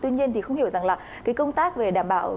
tuy nhiên thì không hiểu rằng là cái công tác về đảm bảo